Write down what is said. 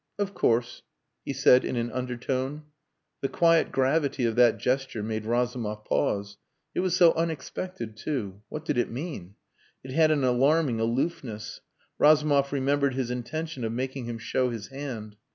of course," he said in an undertone. The quiet gravity of that gesture made Razumov pause. It was so unexpected, too. What did it mean? It had an alarming aloofness. Razumov remembered his intention of making him show his hand.